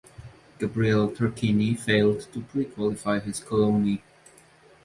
Gabriele Tarquini failed to pre-qualify his Coloni.